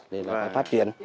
để là phát triển